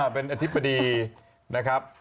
เป็นอธิบดีนะครับ